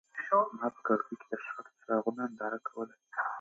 ما په کړکۍ کې د ښار د څراغونو ننداره کوله.